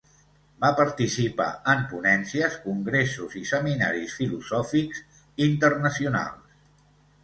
Va participar en ponències, congressos i seminaris filosòfics internacionals.